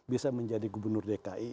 bisa menjadi gubernur dki